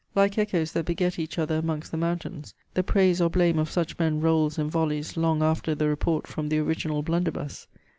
Like echoes that beget each other amongst the mountains, the praise or blame of such men rolls in volleys long after the report from the original blunderbuss.